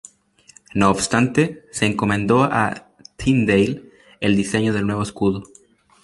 No obstante, se encomendó a Tyndale el diseño del nuevo escudo.